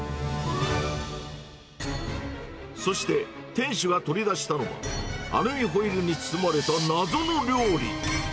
そして、店主が取り出したのは、アルミホイルに包まれた謎の料理。